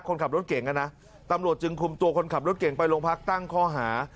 คนขับรถเก่งนะตำรวจจึงคุมตัวคนขับรถเก่งไปโรงพักตั้งข้อหา